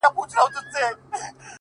هغه لونگ چي شعر وايي سندرې وايي”